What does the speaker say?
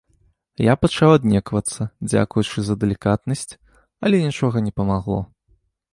Я пачаў аднеквацца, дзякуючы за далікатнасць, але нічога не памагло.